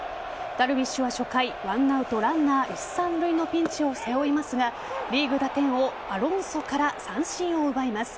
ダルビッシュは初回１アウトランナー一・三塁のピンチを背負いますがリーグ打点王・アロンソから三振を奪います。